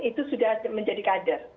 itu sudah menjadi kader